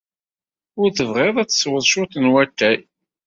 Ur tebɣiḍ ad tesweḍ cwiṭ n watay?